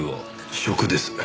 食です。